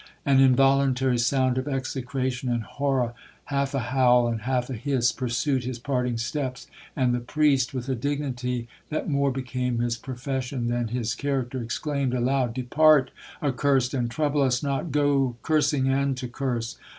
An involuntary sound of execration and horror, half a howl and half a hiss, pursued his parting steps, and the priest, with a dignity that more became his profession than his character, exclaimed aloud, 'Depart accursed, and trouble us not—go, cursing and to curse.'